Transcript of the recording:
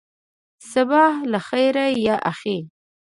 صباح الخیر یا اخی.